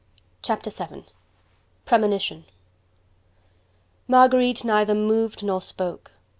Chapter VII: Premonition Marguerite neither moved nor spoke.